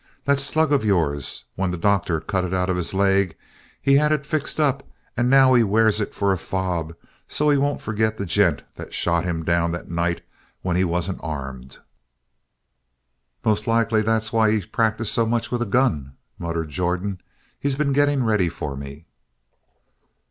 "That slug of yours when the doctor cut it out of his leg he had it fixed up and now he wears it for a fob so's he won't forget the gent that shot him down that night when he wasn't armed!" "Most like that's why he's practiced so much with a gun," muttered Jordan. "He's been getting ready for me."